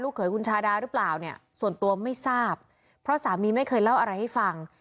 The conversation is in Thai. เขยคุณชาดาหรือเปล่าเนี่ยส่วนตัวไม่ทราบเพราะสามีไม่เคยเล่าอะไรให้ฟัง